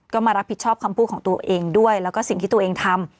ก็มารับผิดชอบคำพูดของตัวเองด้วยแล้วก็สิ่งที่ตัวเองทำ